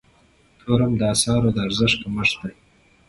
تورم د اسعارو د ارزښت کمښت دی.